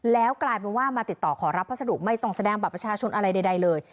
แล้วกลายเป็นว่ามาติดต่อขอรับพัสดุไม่ต้องแสดงบัตรประชาชนอะไรใดเลย